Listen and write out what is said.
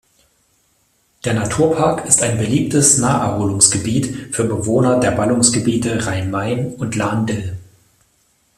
Der Naturpark ist ein beliebtes Naherholungsgebiet für Bewohner der Ballungsgebiete Rhein-Main und Lahn-Dill.